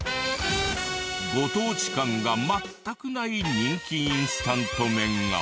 ご当地感が全くない人気インスタント麺が。